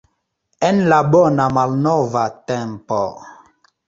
En la bona malnova tempo.